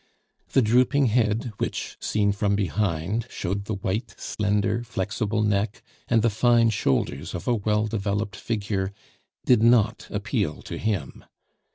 The drooping head which, seen from behind, showed the white, slender, flexible neck and the fine shoulders of a well developed figure, did not appeal to him.